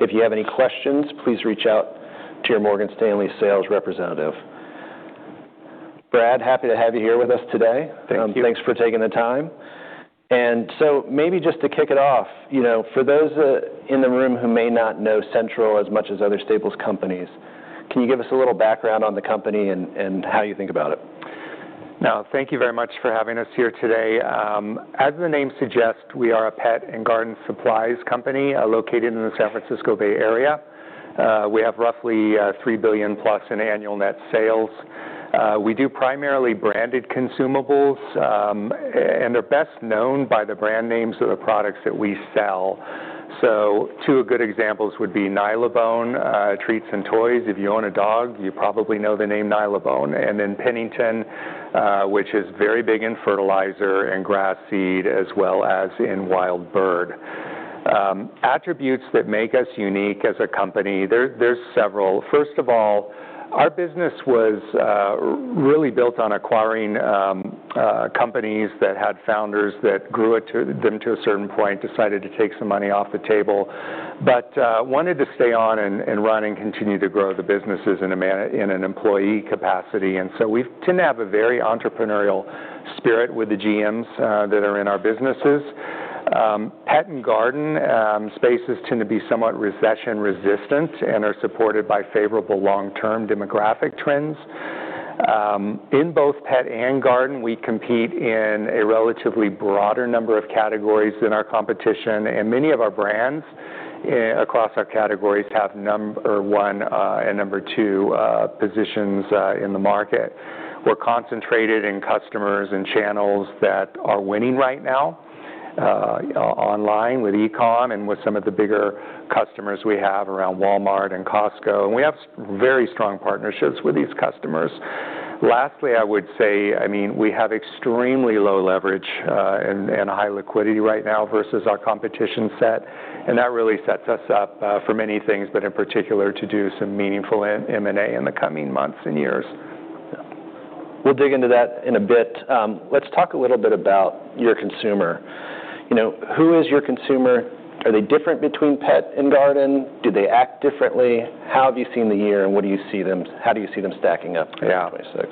If you have any questions, please reach out to your Morgan Stanley sales representative. Brad, happy to have you here with us today. Thank you. Thanks for taking the time. And so maybe just to kick it off, for those in the room who may not know Central as much as other staples companies, can you give us a little background on the company and how you think about it? Now, thank you very much for having us here today. As the name suggests, we are a Pet and Garden supplies company located in the San Francisco Bay Area. We have roughly $3 billion+ in annual net sales. We do primarily branded consumables, and they're best known by the brand names of the products that we sell. So two good examples would be Nylabone Treats and Toys. If you own a dog, you probably know the name Nylabone. And then Pennington, which is very big in fertilizer and grass seed, as well as in wild bird. Attributes that make us unique as a company, there's several. First of all, our business was really built on acquiring companies that had founders that grew them to a certain point, decided to take some money off the table, but wanted to stay on and run and continue to grow the businesses in an employee capacity. And so we tend to have a very entrepreneurial spirit with the GMs that are in our businesses. Pet and Garden spaces tend to be somewhat recession resistant and are supported by favorable long-term demographic trends. In both Pet and Garden, we compete in a relatively broader number of categories than our competition. And many of our brands across our categories have number one and number two positions in the market. We're concentrated in customers and channels that are winning right now online with e-comm and with some of the bigger customers we have around Walmart and Costco. We have very strong partnerships with these customers. Lastly, I would say, I mean, we have extremely low leverage and high liquidity right now versus our competition set. That really sets us up for many things, but in particular to do some meaningful M&A in the coming months and years. We'll dig into that in a bit. Let's talk a little bit about your consumer. Who is your consumer? Are they different between Pet and Garden? Do they act differently? How have you seen the year and what do you see them? How do you see them stacking up for 2026?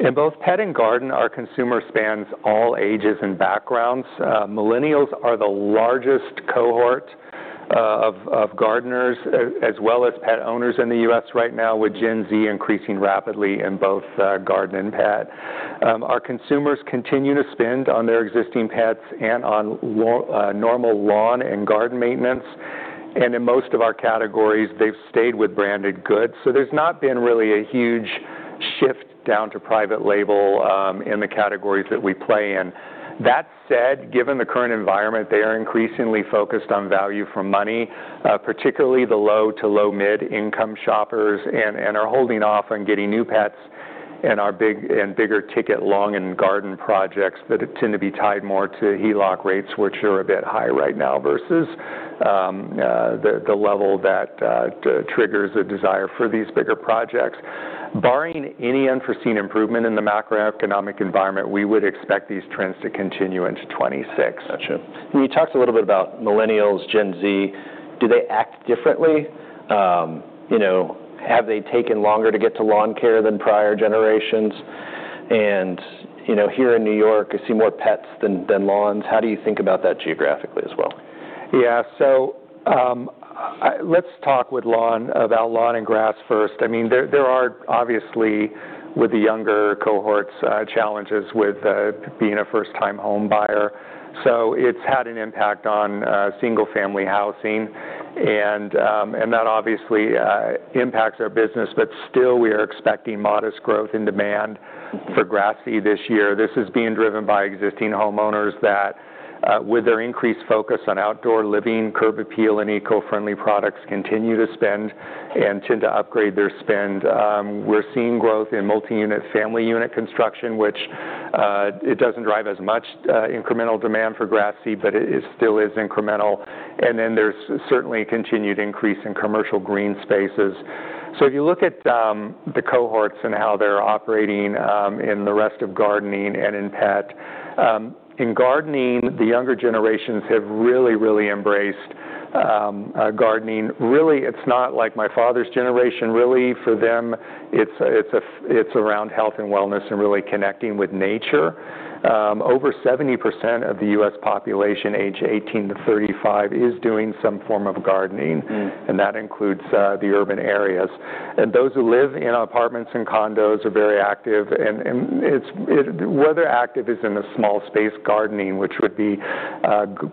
Yeah. In both Pet and Garden, our consumer spans all ages and backgrounds. Millennials are the largest cohort of gardeners as well as pet owners in the U.S. right now, with Gen Z increasing rapidly in both Garden and Pet. Our consumers continue to spend on their existing pets and on normal lawn and garden maintenance. And in most of our categories, they've stayed with branded goods. So there's not been really a huge shift down to private label in the categories that we play in. That said, given the current environment, they are increasingly focused on value for money, particularly the low to low-mid income shoppers, and are holding off on getting new pets in our big and bigger ticket lawn and garden projects that tend to be tied more to HELOC rates, which are a bit high right now versus the level that triggers a desire for these bigger projects. Barring any unforeseen improvement in the macroeconomic environment, we would expect these trends to continue into 2026. Gotcha. You talked a little bit about Millennials, Gen Z. Do they act differently? Have they taken longer to get to lawn care than prior generations? And here in New York, I see more pets than lawns. How do you think about that geographically as well? Yeah. So let's talk about lawn and grass first. I mean, there are obviously, with the younger cohorts, challenges with being a first-time home buyer. So it's had an impact on single-family housing. And that obviously impacts our business. But still, we are expecting modest growth in demand for grass seed this year. This is being driven by existing homeowners that, with their increased focus on outdoor living, curb appeal, and eco-friendly products, continue to spend and tend to upgrade their spend. We're seeing growth in multi-unit family unit construction, which it doesn't drive as much incremental demand for grass seed, but it still is incremental. And then there's certainly a continued increase in commercial green spaces. So if you look at the cohorts and how they're operating in the rest of gardening and in pet, in gardening, the younger generations have really, really embraced gardening. Really, it's not like my father's generation. Really, for them, it's around health and wellness and really connecting with nature. Over 70% of the U.S. population aged 18-35 is doing some form of gardening, and that includes the urban areas, and those who live in apartments and condos are very active, and where they're active is in a small space gardening, which would be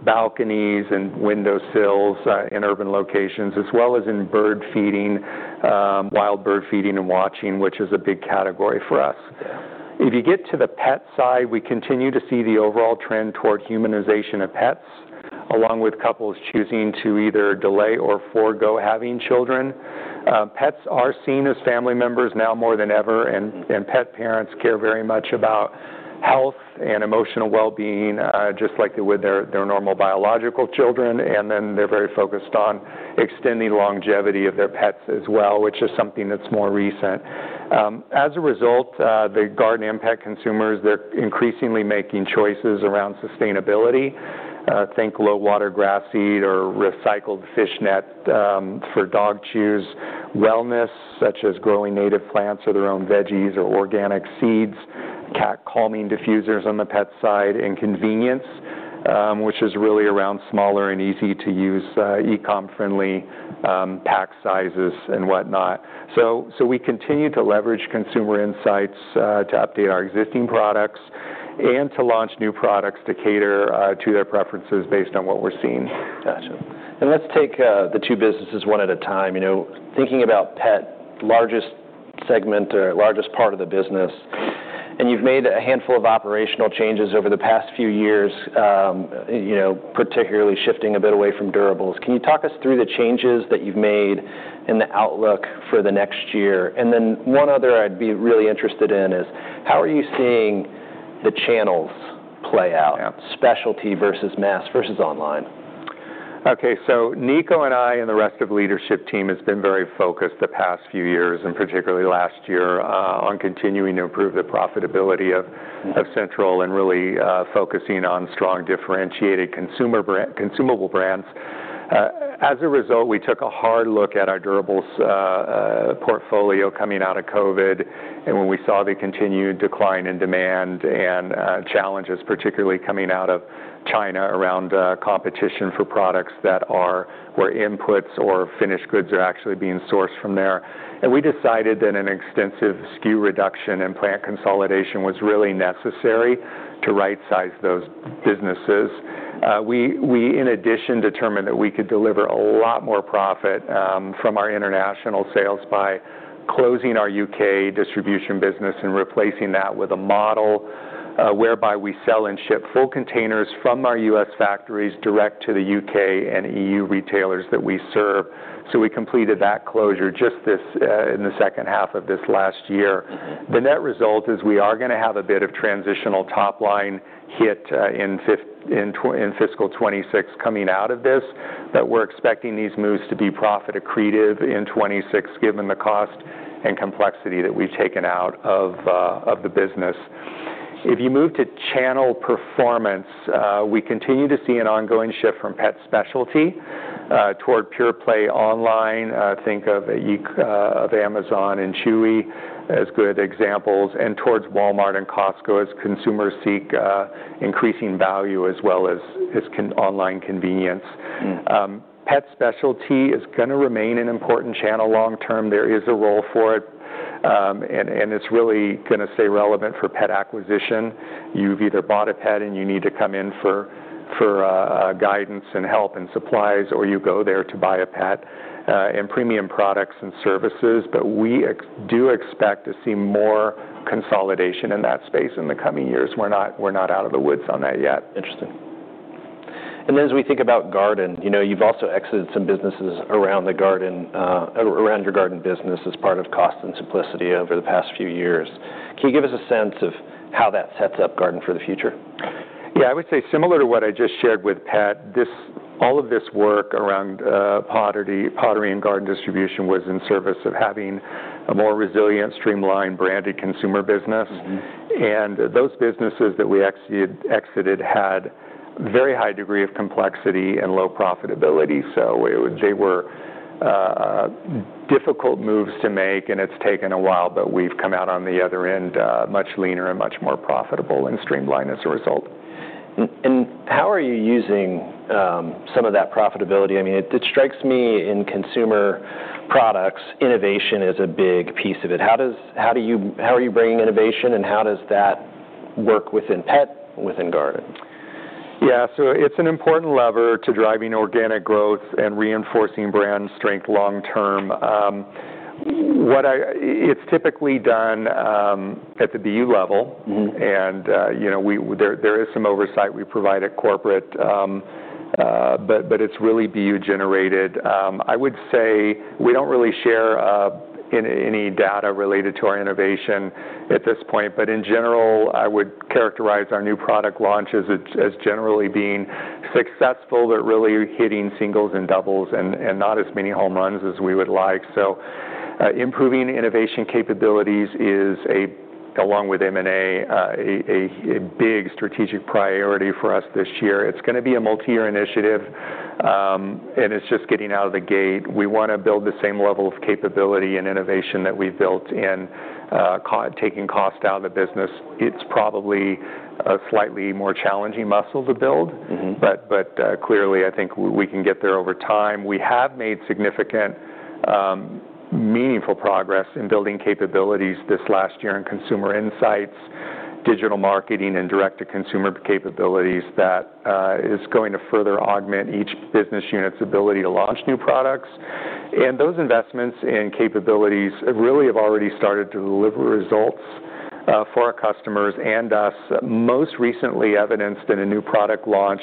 balconies and windowsills in urban locations, as well as in bird feeding, wild bird feeding and watching, which is a big category for us. If you get to the pet side, we continue to see the overall trend toward humanization of pets, along with couples choosing to either delay or forego having children. Pets are seen as family members now more than ever, and pet parents care very much about health and emotional well-being, just like they would their normal biological children. And then they're very focused on extending the longevity of their pets as well, which is something that's more recent. As a result, the garden and pet consumers, they're increasingly making choices around sustainability. Think low-water grass seed or recycled fishnet for dog chews. Wellness, such as growing native plants or their own veggies or organic seeds, cat calming diffusers on the pet side, and convenience, which is really around smaller and easy-to-use e-com-friendly pack sizes and whatnot. So we continue to leverage consumer insights to update our existing products and to launch new products to cater to their preferences based on what we're seeing. Gotcha. And let's take the two businesses one at a time. Thinking about pet, largest segment or largest part of the business, and you've made a handful of operational changes over the past few years, particularly shifting a bit away from durables. Can you talk us through the changes that you've made and the outlook for the next year? And then one other I'd be really interested in is how are you seeing the channels play out? Specialty versus mass versus online? Okay, so Niko and I and the rest of the leadership team have been very focused the past few years, and particularly last year, on continuing to improve the profitability of Central and really focusing on strong differentiated consumable brands. As a result, we took a hard look at our durables portfolio coming out of COVID, and when we saw the continued decline in demand and challenges, particularly coming out of China around competition for products that are where inputs or finished goods are actually being sourced from there, and we decided that an extensive SKU reduction and plant consolidation was really necessary to right-size those businesses. We, in addition, determined that we could deliver a lot more profit from our international sales by closing our U.K. distribution business and replacing that with a model whereby we sell and ship full containers from our U.S. factories direct to the U.K. and EU retailers that we serve. So we completed that closure just in the second half of this last year. The net result is we are going to have a bit of transitional top-line hit in fiscal 2026 coming out of this, but we're expecting these moves to be profit-accretive in 2026, given the cost and complexity that we've taken out of the business. If you move to channel performance, we continue to see an ongoing shift from pet specialty toward pure play online. Think of Amazon and Chewy as good examples, and towards Walmart and Costco as consumers seek increasing value as well as online convenience. Pet specialty is going to remain an important channel long-term. There is a role for it, and it's really going to stay relevant for pet acquisition. You've either bought a pet and you need to come in for guidance and help and supplies, or you go there to buy a pet and premium products and services, but we do expect to see more consolidation in that space in the coming years. We're not out of the woods on that yet. Interesting. And then as we think about garden, you've also exited some businesses around your garden business as part of cost and simplicity over the past few years. Can you give us a sense of how that sets up garden for the future? Yeah. I would say similar to what I just shared with pet, all of this work around pottery and garden distribution was in service of having a more resilient, streamlined, branded consumer business. And those businesses that we exited had a very high degree of complexity and low profitability. So they were difficult moves to make, and it's taken a while, but we've come out on the other end much leaner and much more profitable and streamlined as a result. And how are you using some of that profitability? I mean, it strikes me in consumer products, innovation is a big piece of it. How are you bringing innovation, and how does that work within pet, within garden? Yeah. So it's an important lever to driving organic growth and reinforcing brand strength long-term. It's typically done at the BU level. And there is some oversight we provide at corporate, but it's really BU-generated. I would say we don't really share any data related to our innovation at this point. But in general, I would characterize our new product launches as generally being successful, but really hitting singles and doubles and not as many home runs as we would like. So improving innovation capabilities is, along with M&A, a big strategic priority for us this year. It's going to be a multi-year initiative, and it's just getting out of the gate. We want to build the same level of capability and innovation that we've built in taking cost out of the business. It's probably a slightly more challenging muscle to build, but clearly, I think we can get there over time. We have made significant, meaningful progress in building capabilities this last year in consumer insights, digital marketing, and direct-to-consumer capabilities that is going to further augment each business unit's ability to launch new products, and those investments and capabilities really have already started to deliver results for our customers and us. Most recently evidenced in a new product launch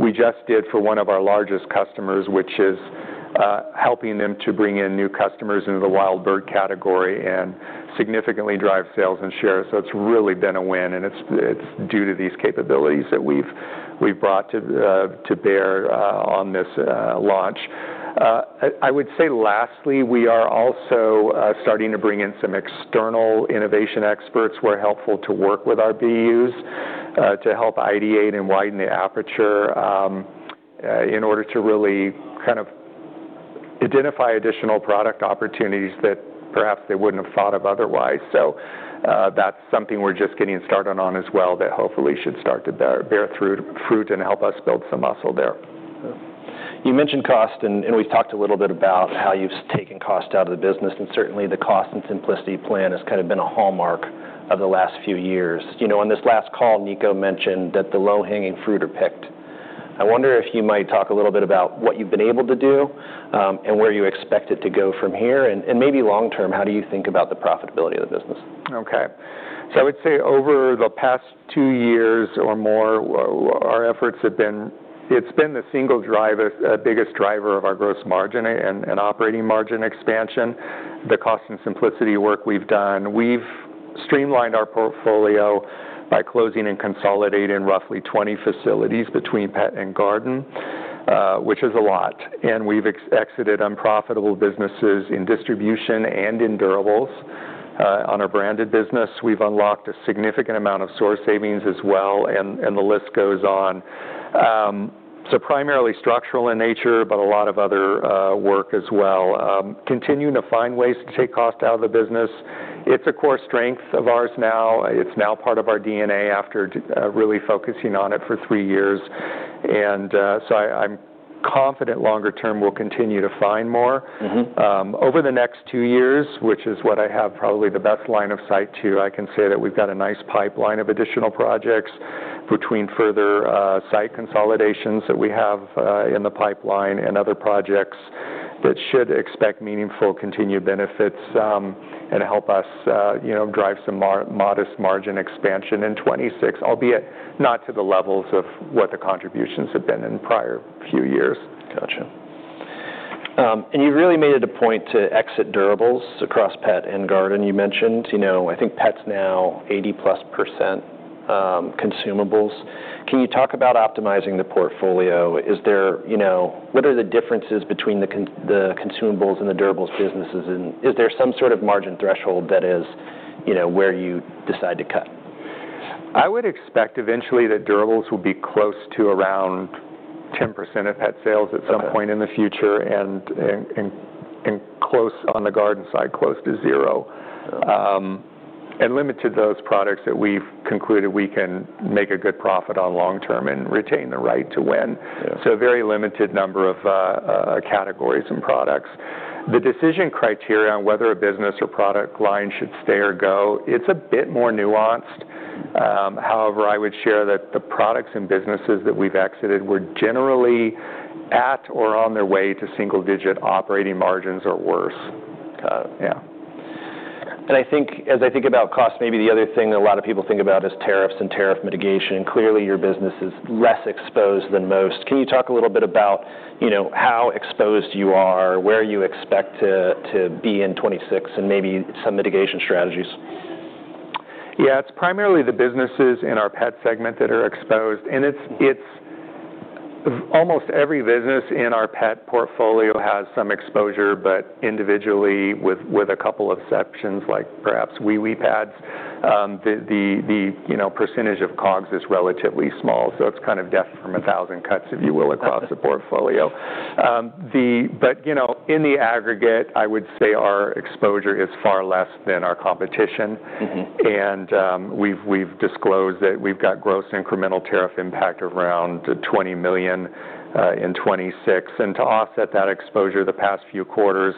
we just did for one of our largest customers, which is helping them to bring in new customers into the wild bird category and significantly drive sales and share, so it's really been a win, and it's due to these capabilities that we've brought to bear on this launch. I would say lastly, we are also starting to bring in some external innovation experts who are helpful to work with our BUs to help ideate and widen the aperture in order to really kind of identify additional product opportunities that perhaps they wouldn't have thought of otherwise, so that's something we're just getting started on as well that hopefully should start to bear fruit and help us build some muscle there. You mentioned cost, and we've talked a little bit about how you've taken cost out of the business. And certainly, the cost and simplicity plan has kind of been a hallmark of the last few years. On this last call, Niko mentioned that the low-hanging fruit are picked. I wonder if you might talk a little bit about what you've been able to do and where you expect it to go from here. And maybe long-term, how do you think about the profitability of the business? Okay. So I would say over the past two years or more, our efforts have been. It's been the single biggest driver of our gross margin and operating margin expansion, the cost and simplicity work we've done. We've streamlined our portfolio by closing and consolidating roughly 20 facilities between Pet and Garden, which is a lot. And we've exited unprofitable businesses in distribution and in durables on our branded business. We've unlocked a significant amount of sourcing savings as well. And the list goes on. So primarily structural in nature, but a lot of other work as well. Continuing to find ways to take cost out of the business. It's a core strength of ours now. It's now part of our DNA after really focusing on it for three years. And so I'm confident longer term we'll continue to find more. Over the next two years, which is what I have probably the best line of sight to, I can say that we've got a nice pipeline of additional projects between further site consolidations that we have in the pipeline and other projects that should expect meaningful continued benefits and help us drive some modest margin expansion in 2026, albeit not to the levels of what the contributions have been in prior few years. Gotcha. And you really made it a point to exit durables across Pet and Garden. You mentioned, I think Pet's now 80%+ consumables. Can you talk about optimizing the portfolio? What are the differences between the consumables and the durables businesses? And is there some sort of margin threshold that is where you decide to cut? I would expect eventually that durables will be close to around 10% of pet sales at some point in the future and close on the garden side, close to zero, and limited to those products that we've concluded we can make a good profit on long-term and retain the right to win, so very limited number of categories and products. The decision criteria on whether a business or product line should stay or go, it's a bit more nuanced. However, I would share that the products and businesses that we've exited were generally at or on their way to single-digit operating margins or worse. Yeah. As I think about cost, maybe the other thing that a lot of people think about is tariffs and tariff mitigation. Clearly, your business is less exposed than most. Can you talk a little bit about how exposed you are, where you expect to be in 2026, and maybe some mitigation strategies? Yeah. It's primarily the businesses in our pet segment that are exposed. And almost every business in our pet portfolio has some exposure, but individually with a couple of exceptions, like perhaps Wee-Wee Pads. The percentage of COGS is relatively small. So it's kind of death from a thousand cuts, if you will, across the portfolio. But in the aggregate, I would say our exposure is far less than our competition. And we've disclosed that we've got gross incremental tariff impact of around $20 million in 2026. And to offset that exposure the past few quarters,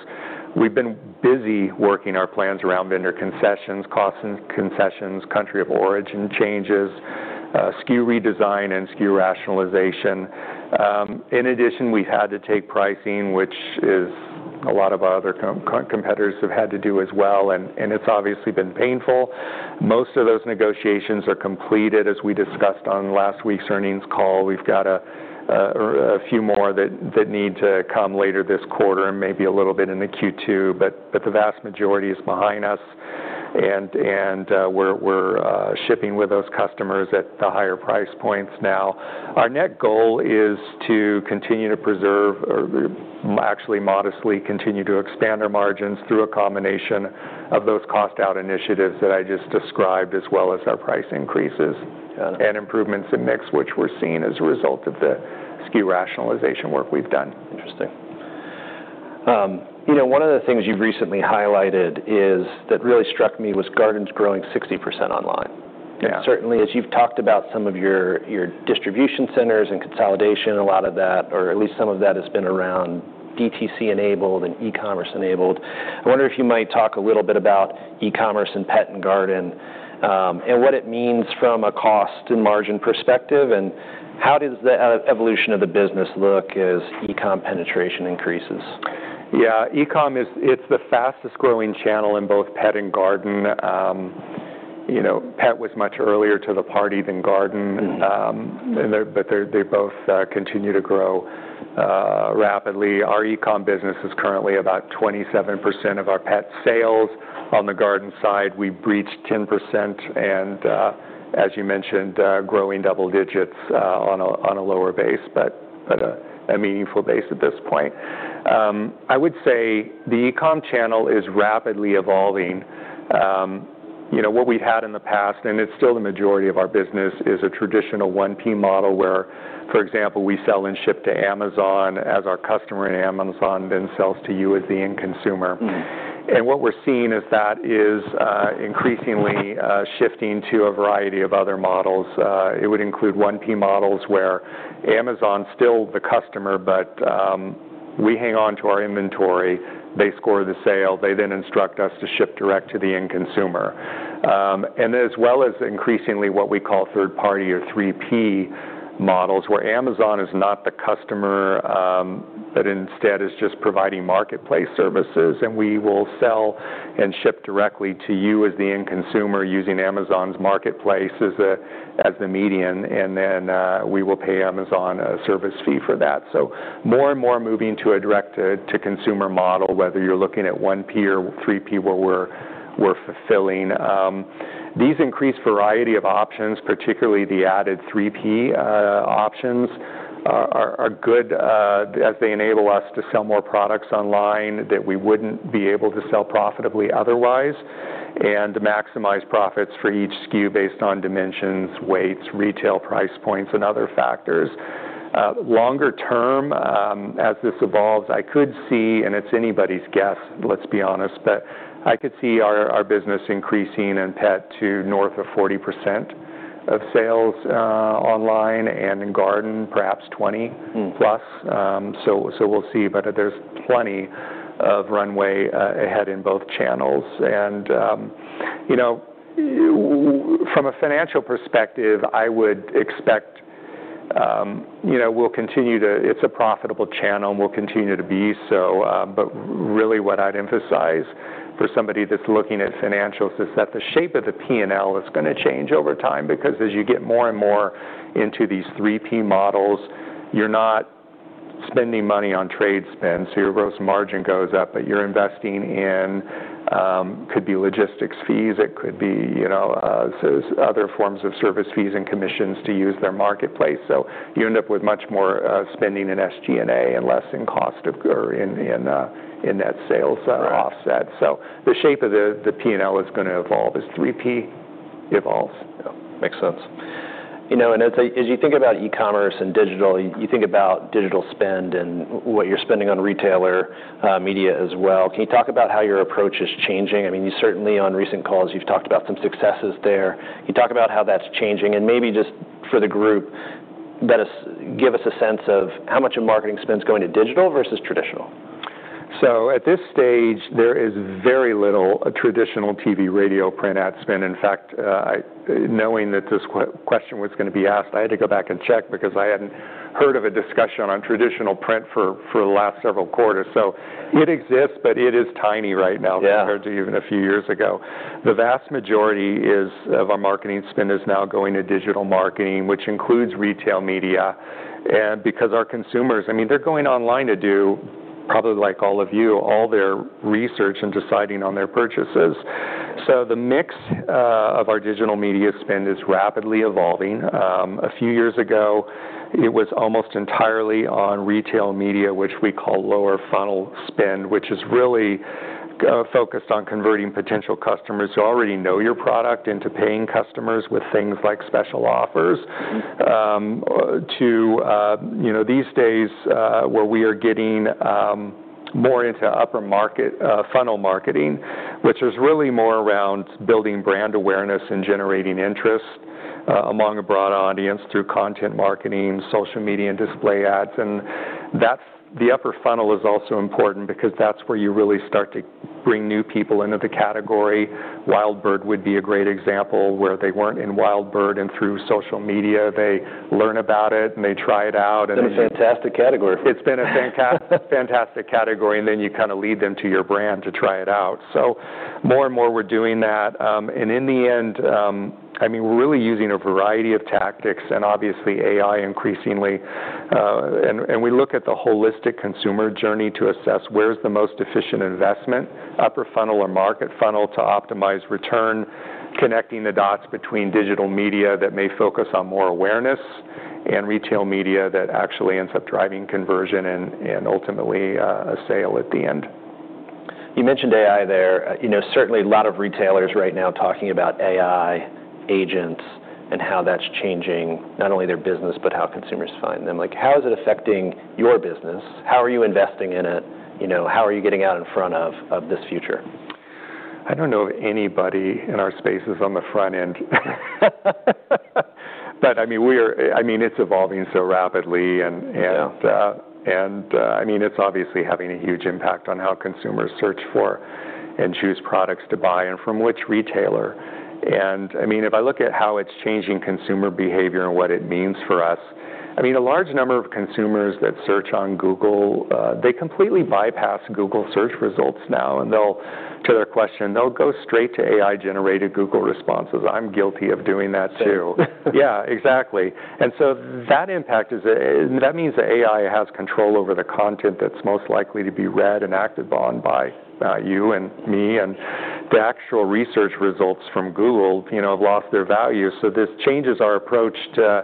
we've been busy working our plans around vendor concessions, cost concessions, country of origin changes, SKU redesign, and SKU rationalization. In addition, we've had to take pricing, which a lot of our other competitors have had to do as well. And it's obviously been painful. Most of those negotiations are completed, as we discussed on last week's earnings call. We've got a few more that need to come later this quarter and maybe a little bit in the Q2. But the vast majority is behind us, and we're shipping with those customers at the higher price points now. Our net goal is to continue to preserve, or actually modestly continue to expand our margins through a combination of those cost-out initiatives that I just described, as well as our price increases and improvements in mix, which we're seeing as a result of the SKU rationalization work we've done. Interesting. One of the things you've recently highlighted that really struck me was gardens growing 60% online. Certainly, as you've talked about some of your distribution centers and consolidation, a lot of that, or at least some of that, has been around DTC-enabled and e-commerce-enabled. I wonder if you might talk a little bit about e-commerce and Pet and Garden and what it means from a cost and margin perspective, and how does the evolution of the business look as e-com penetration increases? Yeah. E-com, it's the fastest growing channel in both Pet and Garden. Pet was much earlier to the party than garden, but they both continue to grow rapidly. Our e-com business is currently about 27% of our pet sales. On the garden side, we breached 10% and, as you mentioned, growing double digits on a lower base, but a meaningful base at this point. I would say the e-com channel is rapidly evolving. What we had in the past, and it's still the majority of our business, is a traditional 1P model where, for example, we sell and ship to Amazon as our customer and Amazon then sells to you as the end consumer. And what we're seeing is that is increasingly shifting to a variety of other models. It would include 1P models where Amazon's still the customer, but we hang on to our inventory. They score the sale. They then instruct us to ship direct to the end consumer. As well as increasingly what we call third-party or 3P models, where Amazon is not the customer, but instead is just providing marketplace services. We will sell and ship directly to you as the end consumer using Amazon's marketplace as the medium. Then we will pay Amazon a service fee for that. More and more moving to a direct-to-consumer model, whether you're looking at 1P or 3P, where we're fulfilling. These increased variety of options, particularly the added 3P options, are good as they enable us to sell more products online that we wouldn't be able to sell profitably otherwise and maximize profits for each SKU based on dimensions, weights, retail price points, and other factors. Longer term, as this evolves, I could see, and it's anybody's guess, let's be honest, but I could see our business increasing in pet to north of 40% of sales online and in garden, perhaps 20%+. So we'll see. But there's plenty of runway ahead in both channels. And from a financial perspective, I would expect we'll continue to. It's a profitable channel, and we'll continue to be so. But really, what I'd emphasize for somebody that's looking at financials is that the shape of the P&L is going to change over time because as you get more and more into these 3P models, you're not spending money on trade spend. So your gross margin goes up, but you're investing in, could be logistics fees. It could be other forms of service fees and commissions to use their marketplace. So you end up with much more spending in SG&A and less in cost or in net sales offset. So the shape of the P&L is going to evolve as 3P evolves. Makes sense, and as you think about e-commerce and digital, you think about digital spend and what you're spending on retailer media as well. Can you talk about how your approach is changing? I mean, you certainly, on recent calls, you've talked about some successes there. Can you talk about how that's changing, and maybe just for the group, give us a sense of how much of marketing spend is going to digital versus traditional? So at this stage, there is very little traditional TV, radio, print ad spend. In fact, knowing that this question was going to be asked, I had to go back and check because I hadn't heard of a discussion on traditional print for the last several quarters. So it exists, but it is tiny right now compared to even a few years ago. The vast majority of our marketing spend is now going to digital marketing, which includes retail media. And because our consumers, I mean, they're going online to do, probably like all of you, all their research and deciding on their purchases. So the mix of our digital media spend is rapidly evolving. A few years ago, it was almost entirely on retail media, which we call lower funnel spend, which is really focused on converting potential customers who already know your product into paying customers with things like special offers to these days where we are getting more into upper funnel marketing, which is really more around building brand awareness and generating interest among a broad audience through content marketing, social media, and display ads, and the upper funnel is also important because that's where you really start to bring new people into the category. Wild bird would be a great example where they weren't in wild bird, and through social media, they learn about it, and they try it out. It's been a fantastic category. It's been a fantastic category, and then you kind of lead them to your brand to try it out, so more and more we're doing that, and in the end, I mean, we're really using a variety of tactics and obviously AI increasingly, and we look at the holistic consumer journey to assess where's the most efficient investment, upper funnel or market funnel, to optimize return, connecting the dots between digital media that may focus on more awareness and retail media that actually ends up driving conversion and ultimately a sale at the end. You mentioned AI there. Certainly, a lot of retailers right now talking about AI agents and how that's changing not only their business, but how consumers find them. How is it affecting your business? How are you investing in it? How are you getting out in front of this future? I don't know if anybody in our space is on the front end. But I mean, it's evolving so rapidly. And I mean, it's obviously having a huge impact on how consumers search for and choose products to buy and from which retailer. And I mean, if I look at how it's changing consumer behavior and what it means for us, I mean, a large number of consumers that search on Google, they completely bypass Google search results now. And to their question, they'll go straight to AI-generated Google responses. I'm guilty of doing that too. Yeah, exactly. And so that impact is that means that AI has control over the content that's most likely to be read and acted on by you and me. And the actual research results from Google have lost their value. So this changes our approach to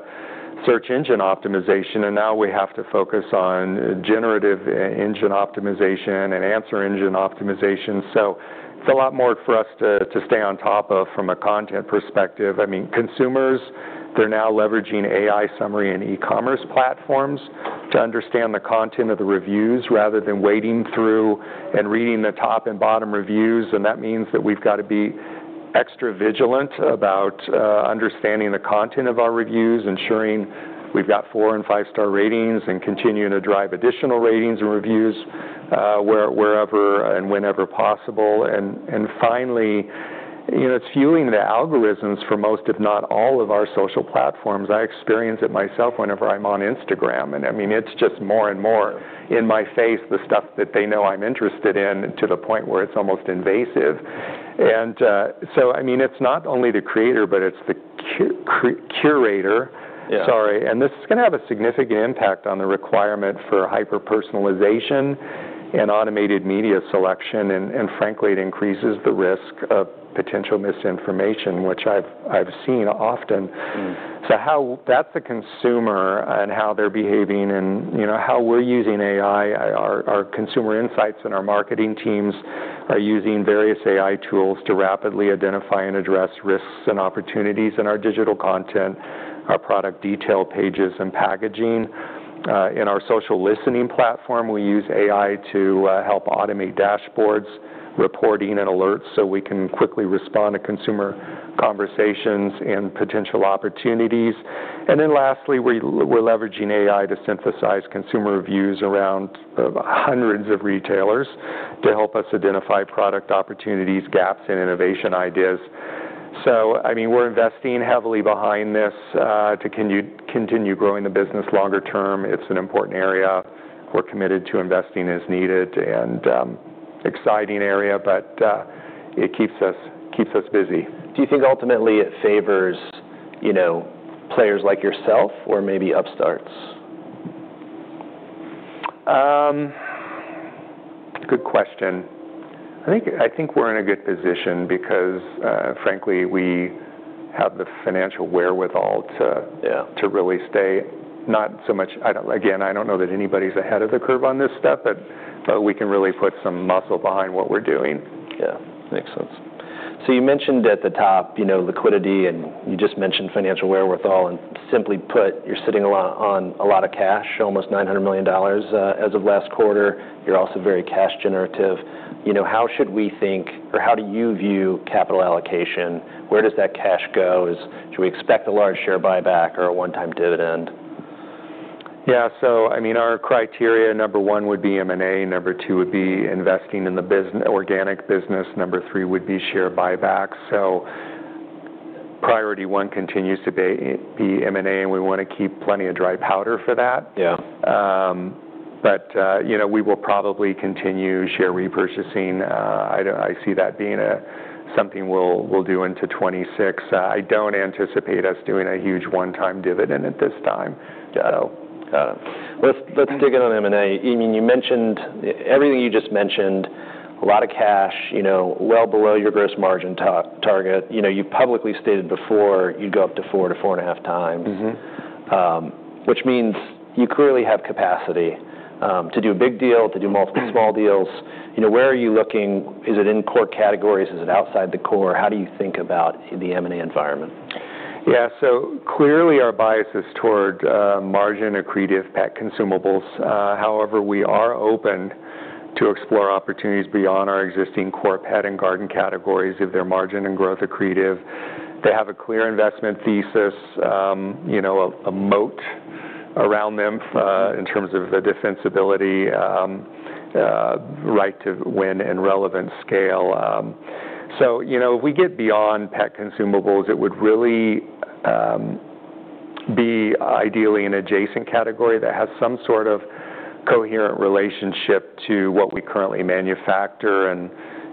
search engine optimization. And now we have to focus on generative engine optimization and answer engine optimization. So it's a lot more for us to stay on top of from a content perspective. I mean, consumers, they're now leveraging AI summary and e-commerce platforms to understand the content of the reviews rather than wading through and reading the top and bottom reviews. And that means that we've got to be extra vigilant about understanding the content of our reviews, ensuring we've got four and five-star ratings, and continuing to drive additional ratings and reviews wherever and whenever possible. And finally, it's fueling the algorithms for most, if not all, of our social platforms. I experience it myself whenever I'm on Instagram. And I mean, it's just more and more in my face, the stuff that they know I'm interested in to the point where it's almost invasive. And so I mean, it's not only the creator, but it's the curator. Sorry. And this is going to have a significant impact on the requirement for hyper-personalization and automated media selection. And frankly, it increases the risk of potential misinformation, which I've seen often. So that's the consumer and how they're behaving and how we're using AI. Our consumer insights and our marketing teams are using various AI tools to rapidly identify and address risks and opportunities in our digital content, our product detail pages and packaging. In our social listening platform, we use AI to help automate dashboards, reporting, and alerts so we can quickly respond to consumer conversations and potential opportunities. And then lastly, we're leveraging AI to synthesize consumer reviews around hundreds of retailers to help us identify product opportunities, gaps, and innovation ideas. So I mean, we're investing heavily behind this to continue growing the business longer term. It's an important area. We're committed to investing as needed and exciting area, but it keeps us busy. Do you think ultimately it favors players like yourself or maybe upstarts? Good question. I think we're in a good position because, frankly, we have the financial wherewithal to really stay not so much. Again, I don't know that anybody's ahead of the curve on this stuff, but we can really put some muscle behind what we're doing. Yeah. Makes sense. So you mentioned at the top liquidity, and you just mentioned financial wherewithal. And simply put, you're sitting on a lot of cash, almost $900 million as of last quarter. You're also very cash-generative. How should we think, or how do you view capital allocation? Where does that cash go? Should we expect a large share buyback or a one-time dividend? Yeah. So I mean, our criteria, number one would be M&A. Number two would be investing in the organic business. Number three would be share buybacks. So priority one continues to be M&A, and we want to keep plenty of dry powder for that. But we will probably continue share repurchasing. I see that being something we'll do into 2026. I don't anticipate us doing a huge one-time dividend at this time, so. Got it. Let's dig in on M&A. I mean, you mentioned everything you just mentioned, a lot of cash, well below your gross margin target. You publicly stated before you'd go up to 4x-4.5x, which means you clearly have capacity to do a big deal, to do multiple small deals. Where are you looking? Is it in core categories? Is it outside the core? How do you think about the M&A environment? Yeah. So clearly, our bias is toward margin accretive pet consumables. However, we are open to explore opportunities beyond our existing core Pet and Garden categories if they're margin and growth accretive. They have a clear investment thesis, a moat around them in terms of the defensibility, right to win, and relevant scale. So if we get beyond pet consumables, it would really be ideally an adjacent category that has some sort of coherent relationship to what we currently manufacture. And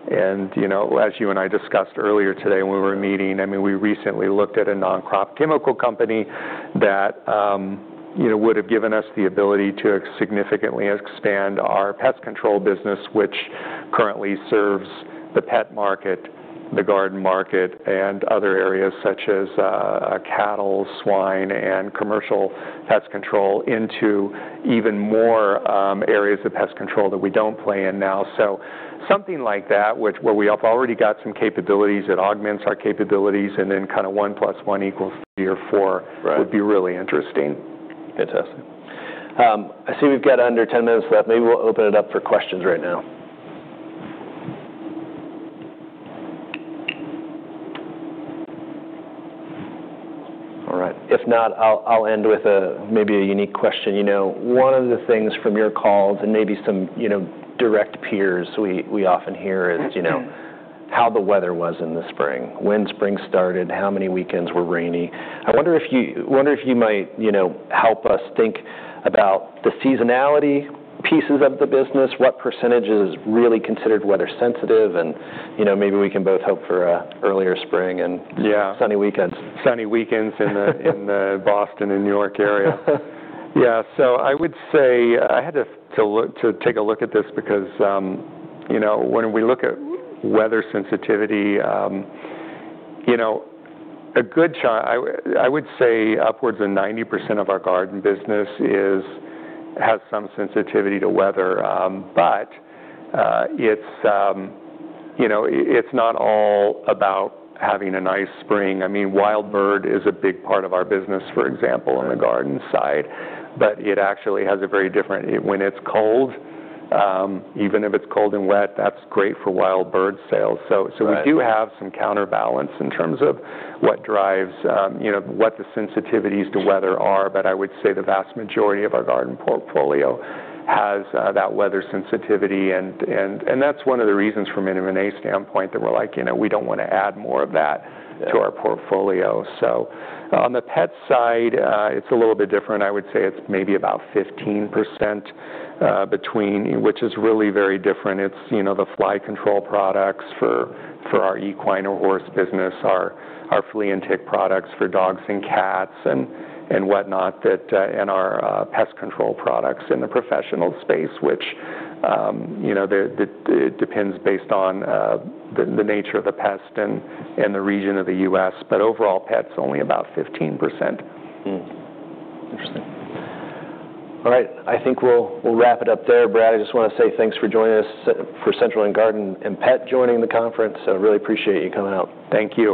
as you and I discussed earlier today when we were meeting, I mean, we recently looked at a non-crop chemical company that would have given us the ability to significantly expand our pest control business, which currently serves the pet market, the garden market, and other areas such as cattle, swine, and commercial pest control into even more areas of pest control that we don't play in now. Something like that, where we've already got some capabilities that augments our capabilities and then kind of 1 + 1 = 3 or 4, would be really interesting. Fantastic. I see we've got under 10 minutes left. Maybe we'll open it up for questions right now. All right. If not, I'll end with maybe a unique question. One of the things from your calls and maybe some direct peers we often hear is how the weather was in the spring, when spring started, how many weekends were rainy. I wonder if you might help us think about the seasonality pieces of the business, what percentage is really considered weather sensitive, and maybe we can both hope for an earlier spring and sunny weekends. Sunny weekends in the Boston and New York area. Yeah. So I would say I had to take a look at this because when we look at weather sensitivity, a good chart, I would say upwards of 90% of our garden business has some sensitivity to weather. But it's not all about having a nice spring. I mean, wild bird is a big part of our business, for example, on the garden side. But it actually has a very different when it's cold, even if it's cold and wet, that's great for wild bird sales. So we do have some counterbalance in terms of what drives what the sensitivities to weather are. But I would say the vast majority of our garden portfolio has that weather sensitivity. And that's one of the reasons from an M&A standpoint that we're like, "We don't want to add more of that to our portfolio." So on the pet side, it's a little bit different. I would say it's maybe about 15% between, which is really very different. It's the fly control products for our equine or horse business, our flea and tick products for dogs and cats and whatnot, and our pest control products in the professional space, which, it depends based on the nature of the pest and the region of the US. But overall, pets only about 15%. Interesting. All right. I think we'll wrap it up there. Brad, I just want to say thanks for joining us for Central Garden & Pet joining the conference. I really appreciate you coming out. Thank you.